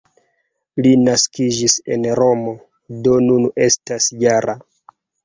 Li naskiĝis en Romo, do nun estas -jara.